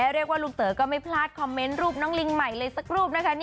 เรียกว่าลุงเต๋อก็ไม่พลาดคอมเมนต์รูปน้องลิงใหม่เลยสักรูปนะคะ